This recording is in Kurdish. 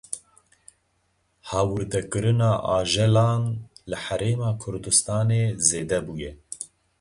Hawirdekirina ajelan li Herêma Kurdistanê zêde bûye.